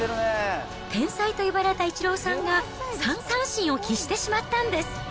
天才と呼ばれたイチローさんが３三振を喫してしまったんです。